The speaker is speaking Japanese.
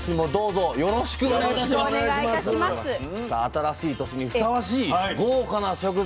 新しい年にふさわしい豪華な食材